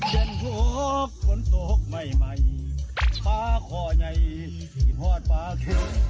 ภาษาอิสานเอิญปะคอ